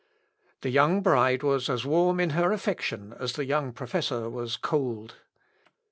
] The young bride was as warm in her affection as the young professor was cold.